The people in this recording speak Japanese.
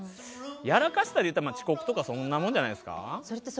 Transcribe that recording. やらかしたっていえば遅刻とかそんなんじゃないですか。